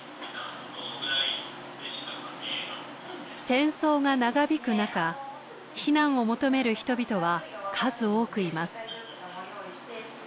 戦争が長引く中避難を求める人々は数多くいます。